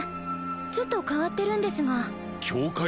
ちょっと変わってるんですが教会？